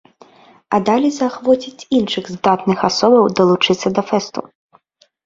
А далей заахвоціць іншых здатных асобаў далучыцца да фэсту.